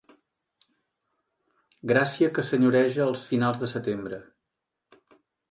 Gràcia que senyoreja els finals de setembre.